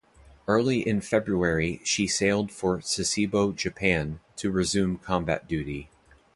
Early in February she sailed for Sasebo, Japan, to resume combat duty.